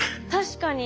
確かに。